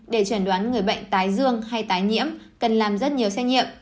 để chuẩn đoán người bệnh tái dương hay tái nhiễm cần làm rất nhiều xét nghiệm